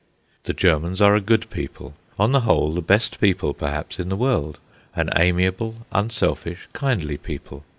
The Germans are a good people. On the whole, the best people perhaps in the world; an amiable, unselfish, kindly people.